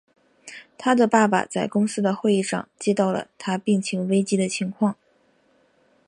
他的爸爸在公司的会议上接到了他病情危机的情况。